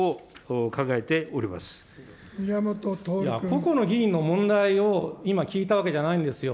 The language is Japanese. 個々の議員の問題を今、聞いたわけじゃないんですよ。